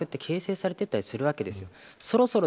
人格が形成されていたりするわけです。